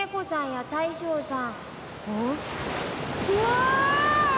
うわ！！